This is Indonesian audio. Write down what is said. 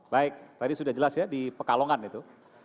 baik tadi sudah jelas ya di pekalongan itu